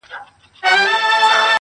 چي له ستوني دي آواز نه وي وتلی -